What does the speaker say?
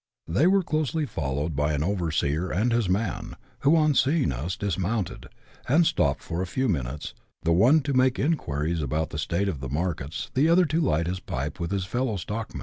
Tliey were closely followed by an overscHT and his man, who, on seeing us, dismounted, and stopped for a ihw mimites, tiie one to make inquiries about the state of the markets, the otiier to light his pipe with his fellow stockma!!.